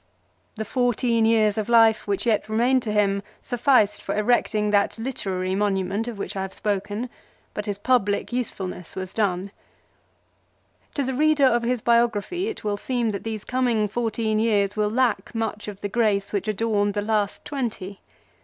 The fourteen years of HIS RETURN FROM EXILE. 3 life which yet remained to him sufficed for erecting that literary monument of which I have spoken ; but his public usefulness was done. To the reader of his biography it will seem that these coming fourteen years will lack much of the grace which adorned the last twenty.